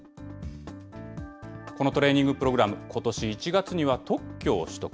このトレーニングプログラム、ことし１月には特許を取得。